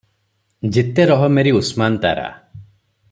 ଜିତେ ରହ ମେରି ଉସ୍ମାନ୍ ତାରା!